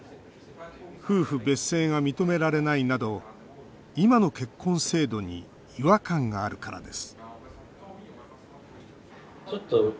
夫婦別姓が認められないなど今の結婚制度に違和感があるからです